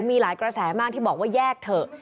มีหลายกระแสมากที่บอกว่าแยกเถอะ